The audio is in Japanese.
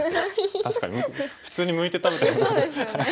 確かに普通にむいて食べたら。